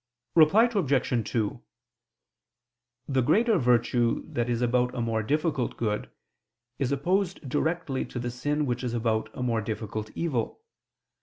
Reply Obj. 2: The greater virtue that is about a more difficult good is opposed directly to the sin which is about a more difficult evil.